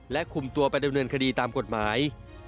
และคุมตัวประเด็นเงินคดีตามกฎหมาย